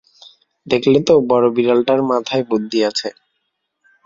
দেখলে তো, বড় বিড়ালটার মাথায় বুদ্ধি আছে।